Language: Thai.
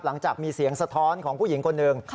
หลังจากมีเสียงสะท้อนของผู้หญิงคนหนึ่ง